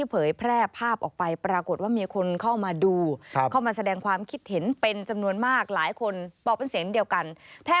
เพราะว่ามีกล้องหน้ารถเลยนะคะ